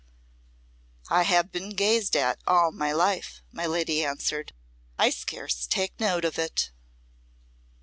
"I have been gazed at all my life," my lady answered; "I scarce take note of it."